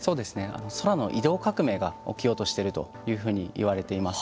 空の移動革命が起きようとしてるというふうにいわれています。